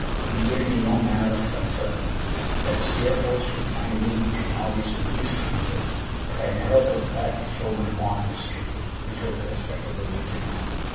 It gave me no manner of concern that Steerforth should find me a novice in these sciences, but I never could bear to show my want of skill before the respectable Littimer.